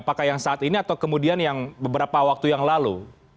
apakah yang saat ini atau kemudian yang beberapa waktu yang lalu